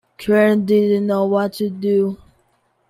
Kieran didn’t know what to do.